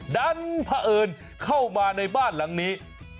ดันเผอิญเข้ามาในบ้านหลังนี้